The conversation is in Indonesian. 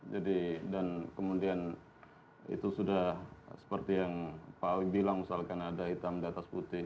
jadi dan kemudian itu sudah seperti yang pak awi bilang misalkan ada hitam di atas putih